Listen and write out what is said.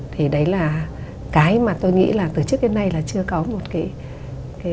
thì đấy là cái mà tôi nghĩ là từ trước đến nay là chưa có một cái